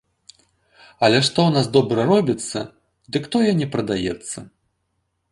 Але што ў нас добра робіцца, дык тое не прадаецца.